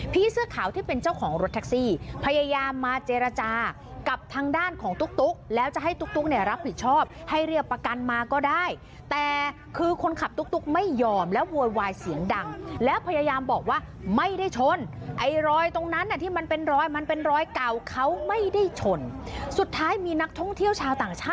เสื้อขาวที่เป็นเจ้าของรถแท็กซี่พยายามมาเจรจากับทางด้านของตุ๊กแล้วจะให้ตุ๊กเนี่ยรับผิดชอบให้เรียกประกันมาก็ได้แต่คือคนขับตุ๊กไม่ยอมแล้วโวยวายเสียงดังแล้วพยายามบอกว่าไม่ได้ชนไอ้รอยตรงนั้นน่ะที่มันเป็นรอยมันเป็นรอยเก่าเขาไม่ได้ชนสุดท้ายมีนักท่องเที่ยวชาวต่างชาติ